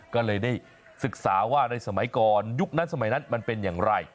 ก็เลยได้ศึกษาว่าในสมัยก่อนยุคนั้นสมัยนั้นมันเป็นอย่างไร